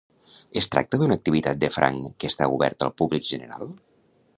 Es tracta d'una activitat de franc que està oberta al públic general.